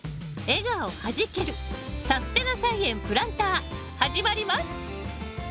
笑顔はじける「さすてな菜園プランター」始まります！